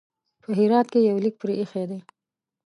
په هرات کې یو لیک پرې ایښی دی.